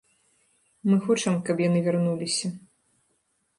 Мы хочам, каб яны вярнуліся.